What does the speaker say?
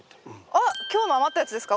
あっ今日の余ったやつですか？